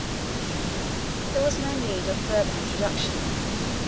There was no need of further introduction.